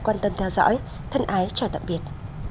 quan tâm theo dõi thân ái chào tạm biệt